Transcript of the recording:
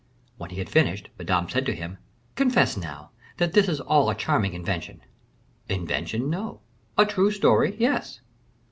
When he had finished, Madame said to him, "Confess, now, that is his all a charming invention." "Invention, no; a true story, yes."